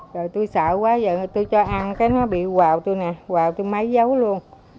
rồi tôi sợ quá giờ tôi cho ăn cái nó bị quào tôi nè quào tôi máy giấu luôn